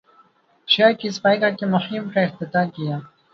شہر کی صفائی کر کے مہم کا افتتاح کیا